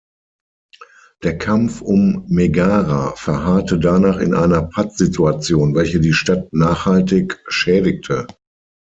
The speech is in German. Der Kampf um Megara verharrte danach in einer Pattsituation, welche die Stadt nachhaltig schädigte.